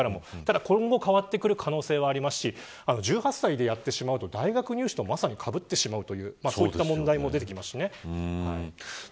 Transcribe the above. ただ、今後変わってくる可能性もありますし１８歳でやってしまうと大学入試にかぶってしまう問題も出てきます。